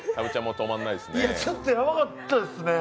ちょっとやばかったですね。